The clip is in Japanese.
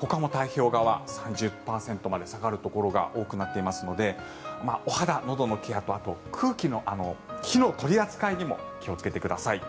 ほかも太平洋側３０％まで下がるところが多くなっていますのでお肌、のどのケアと火の取り扱いにも気をつけてください。